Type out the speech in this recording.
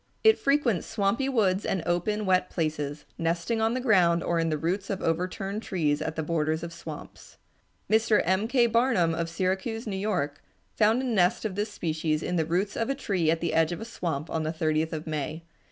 It frequents swampy woods and open, wet places, nesting on the ground or in the roots of overturned trees at the borders of swamps. Mr. M. K. Barnum of Syracuse, New York, found a nest of this species in the roots of a tree at the edge of a swamp on the 30th of May.